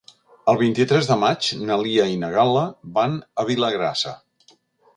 El vint-i-tres de maig na Lia i na Gal·la van a Vilagrassa.